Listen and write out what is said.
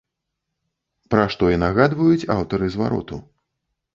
Пра што і нагадваюць аўтары звароту.